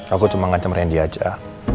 aku cuma ngancam randy aja